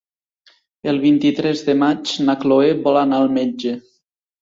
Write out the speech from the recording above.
El vint-i-tres de maig na Cloè vol anar al metge.